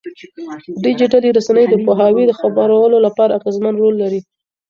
ډيجيټلي رسنۍ د پوهاوي خپرولو لپاره اغېزمن رول لري.